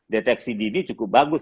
deteksi didi cukup bagus